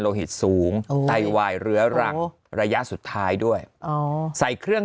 หิตสูงไตวายเรื้อรังระยะสุดท้ายด้วยใส่เครื่อง